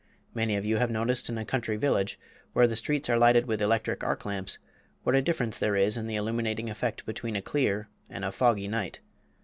Many of you have noticed in a country village, where the streets are lighted with electric arc lamps, what a difference there is in the illuminating effect between a clear and a foggy night.